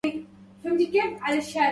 أتراه يظنني أو يراني